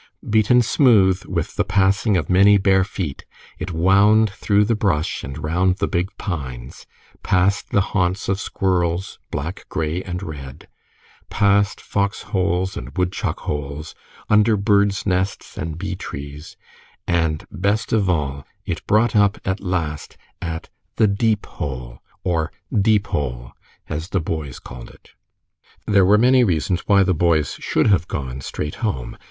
Beaten smooth with the passing of many bare feet, it wound through the brush and round the big pines, past the haunts of squirrels, black, gray, and red, past fox holes and woodchuck holes, under birds' nests and bee trees, and best of all, it brought up at last at the Deep Hole, or "Deepole," as the boys called it. There were many reasons why the boys should have gone straight home.